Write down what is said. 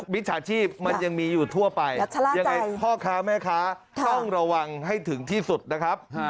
มิจฉาชีพมันยังมีอยู่ทั่วไปยังไงพ่อค้าแม่ค้าต้องระวังให้ถึงที่สุดนะครับ